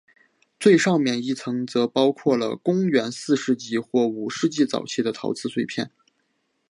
最上面一层则包括了公元四世纪或五世纪早期的陶瓷碎片。